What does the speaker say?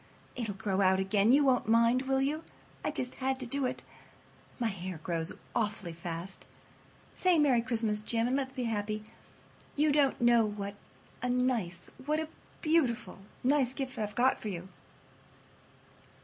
It'll grow out again—you won't mind, will you? I just had to do it. My hair grows awfully fast. Say 'Merry Christmas!' Jim, and let's be happy. You don't know what a nice—what a beautiful, nice gift I've got for you."